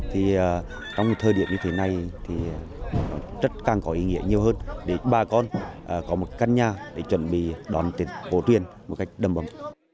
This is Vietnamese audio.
thì trong một thời điểm như thế này thì rất càng có ý nghĩa nhiều hơn để bà con có một căn nhà để chuẩn bị đón tuyệt hồ tuyên một cách đầm bầm